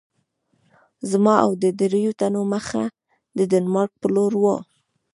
زما او د دریو تنو مخه د ډنمارک په لور وه.